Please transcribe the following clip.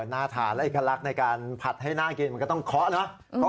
น่าทานและเอกลักษณ์ในการผัดให้น่ากินมันก็ต้องเคาะเนาะ